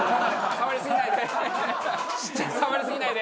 触りすぎないで！